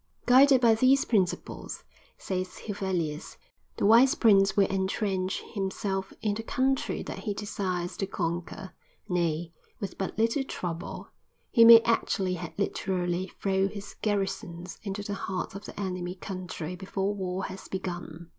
Guided by these principles, says Huvelius, the wise prince will entrench himself in the country that he desires to conquer; "nay, with but little trouble, he may actually and literally throw his garrisons into the heart of the enemy country before war has begun."